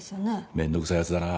面倒くさい奴だな。